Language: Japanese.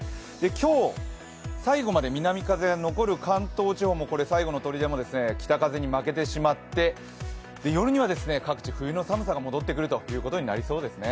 今日、最後まで南風が残る関東地方、最後のとりでも北風に負けてしまって、夜には各地冬の寒さが戻ってくることになりそうですね。